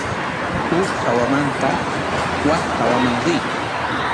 Huk hawamanta wak hawaman riy.